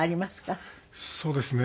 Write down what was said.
そうですね